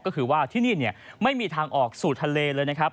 ก็คือว่าที่นี่ไม่มีทางออกสู่ทะเลเลยนะครับ